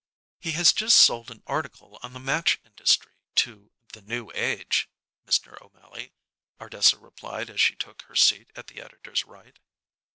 "He has just sold an article on the match industry to 'The New Age,' Mr. O'Mally," Ardessa replied as she took her seat at the editor's right.